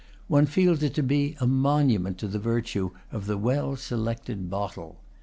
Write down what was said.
One feels it to be a monument to the virtue of the well selected bottle.